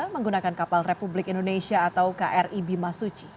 menggunakan kapal republik indonesia atau kri bimasuci